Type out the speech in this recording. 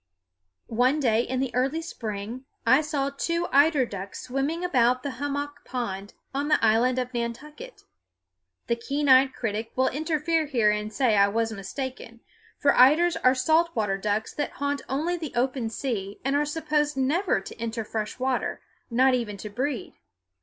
One day in the early spring I saw two eider ducks swimming about the Hummock Pond on the island of Nantucket. The keen eyed critic will interfere here and say I was mistaken; for eiders are salt water ducks that haunt only the open sea and are supposed never to enter fresh water, not even to breed.